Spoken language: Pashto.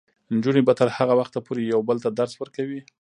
نجونې به تر هغه وخته پورې یو بل ته درس ورکوي.